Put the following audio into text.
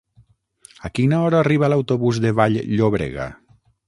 A quina hora arriba l'autobús de Vall-llobrega?